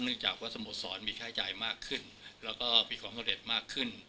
จากว่าสโมสรมีค่าใช้จ่ายมากขึ้นแล้วก็มีความสำเร็จมากขึ้น